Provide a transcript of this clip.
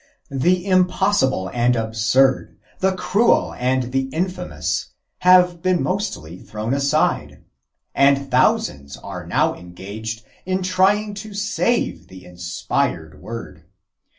The impossible and absurd, the cruel and the infamous, have been mostly thrown aside, and thousands are now engaged in trying to save the inspired word.